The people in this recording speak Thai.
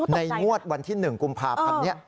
งวดวันที่๑กุมภาพันธ์นี้